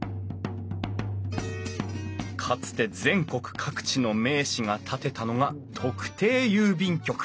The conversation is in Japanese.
かつて全国各地の名士が建てたのが特定郵便局。